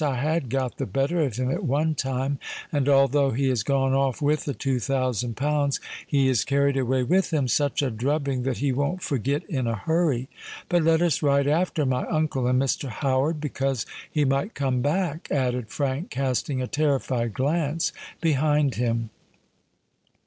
"I had got the better of him at one time; and although he has gone off with the two thousand pounds, he has carried away with him such a drubbing that he won't forget in a hurry. But let us ride after my uncle and Mr. Howard—because he might come back," added Frank, casting a terrified glance behind him.